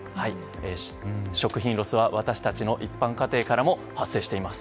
食品ロスは私たちの一般家庭からも発生しています。